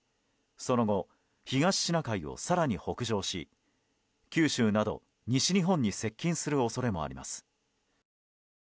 その後、東シナ海を更に北上し九州など西日本に接近する恐れもあります。